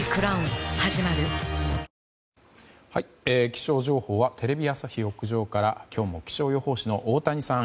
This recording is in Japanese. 気象情報はテレビ朝日屋上から今日も気象予報士の太谷さん